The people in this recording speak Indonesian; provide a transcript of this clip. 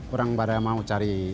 orang pada mau cari